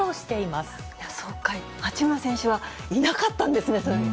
八村選手はいなかったんですね、そういえば。